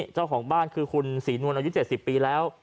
เจ้าของบ้านคือคุณศรีนวลอายุ๗๐ปีแล้ว